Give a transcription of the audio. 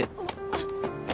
あっ。